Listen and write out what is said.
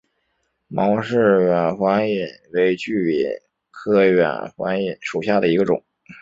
毛氏远环蚓为巨蚓科远环蚓属下的一个种。